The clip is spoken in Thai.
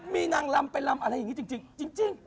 มีนางลำไปลำอะไรอย่างนี้จริง